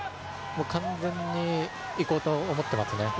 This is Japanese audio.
完全に行こうと思っていますね。